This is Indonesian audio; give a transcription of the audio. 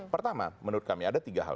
pertama menurut kami ada tiga hal